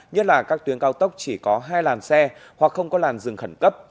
nhất là các tuyến cao tốc chỉ có hai làn xe hoặc không có làn dừng khẩn cấp